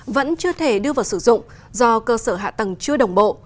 vẫn chưa thể đưa vào sử dụng do cơ sở hạ tầng chưa đồng bộ